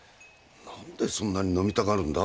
何でそんなに飲みたがるんだ？